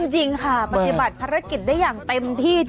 จริงค่ะปฏิบัติภารกิจได้อย่างเต็มที่